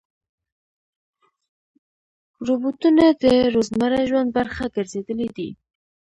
روبوټونه د روزمره ژوند برخه ګرځېدلي دي.